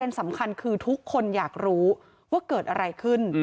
เป็นสำคัญทุกคนอยากรู้เกิดอะไรขึ้น